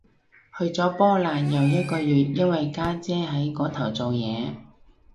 去咗波蘭遊一個月，因為家姐喺嗰頭做嘢